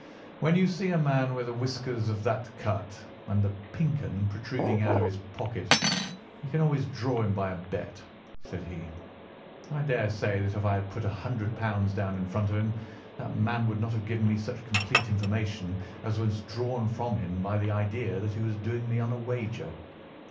"When you see a man with whiskers of that cut and the 'Pink 'un' protruding out of his pocket, you can always draw him by a bet," said he. "I daresay that if I had put £ 100 down in front of him, that man would not have given me such complete information as was drawn from him by the idea that he was doing me on a wager.